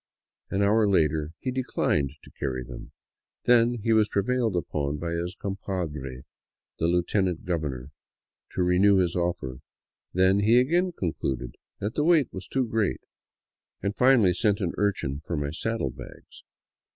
An hour later he declined to carry them, then he was prevailed upon by his compadre, the lieutenant governor, to renew his offer ; then he again concluded the weight was too great, and finally sent an urchin for my saddle bags.